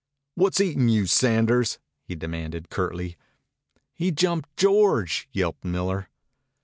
"What's eatin' you, Sanders?" he demanded curtly. "He jumped George!" yelped Miller.